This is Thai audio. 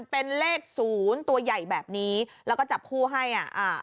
เป็นเลขศูนย์ตัวใหญ่แบบนี้แล้วก็จับคู่ให้อ่ะอ่า